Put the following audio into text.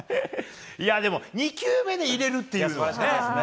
でも、２球目で入れるというね。